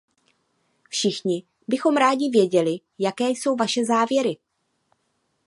Všichni bychom rádi věděli, jaké jsou vaše závěry.